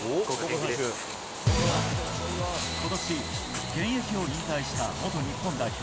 今年、現役を引退した元日本代表、